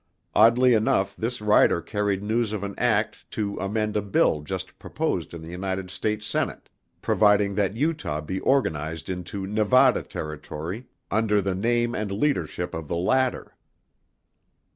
Oddly enough this rider carried news of an act to amend a bill just proposed in the United States Senate, providing that Utah be organized into Nevada Territory under the name and leadership of the latter.